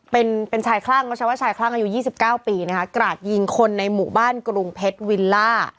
เป็นเป็นชายคลั่งเขาใช้ว่าชายคลั่งอายุ๒๙ปีนะคะกราดยิงคนในหมู่บ้านกรุงเพชรวิลล่า